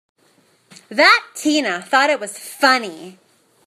That Tina thought it was funny!